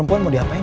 aduh aduh aduh bang